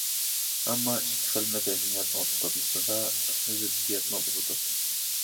ئەمما، ئىككى خىل مەدەنىيەت ئوتتۇرىسىدا زىددىيەتمۇ بولىدۇ.